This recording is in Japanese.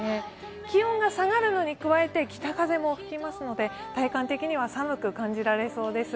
気温が下がるのに加えて北風も吹きますので、体感的には寒く感じられそうです。